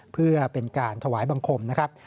เพื่อเป็นการถวายบังคมนะครับ